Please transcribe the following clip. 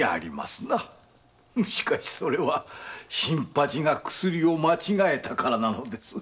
しかしそれは新八が薬を間違えたからなのです。